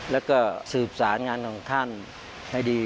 และก็สูญศาสตร์งานของท่านให้ดี